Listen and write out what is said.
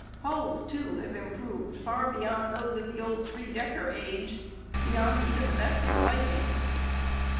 Hulls, too, have improved far beyond those of the old three decker age, beyond even the best of the Vikings'.